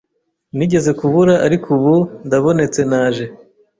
Nigeze kubura ariko ubu ndabonetse naje